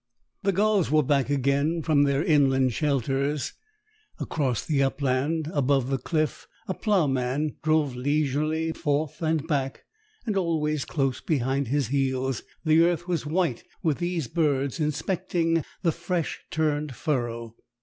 The gulls were back again from their inland shelters. Across the upland above the cliff a ploughman drove leisurably forth and back, and always close behind his heels the earth was white with these birds inspecting the fresh turned furrow.